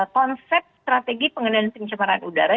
konsep strategi pengendalian pencemaran udara